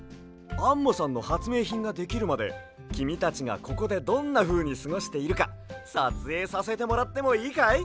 アンモさんのはつめいひんができるまできみたちがここでどんなふうにすごしているかさつえいさせてもらってもいいかい？